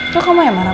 kok kamu emang marah